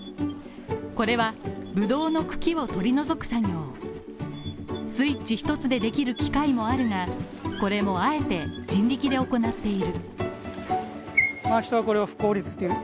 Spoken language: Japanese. これは、ブドウの茎を取り除く作業、スイッチ一つでできる機械もあるが、これもあえて人力で行っている。